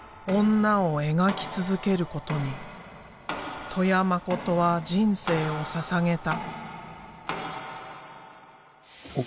「女」を描き続けることに戸谷誠は人生をささげた。